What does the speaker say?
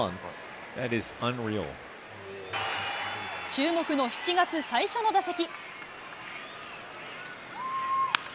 注目の７月最初の打席。